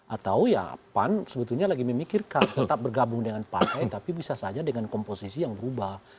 atau ya pan sebetulnya lagi memikirkan tetap bergabung dengan partai tapi bisa saja dengan komposisi yang berubah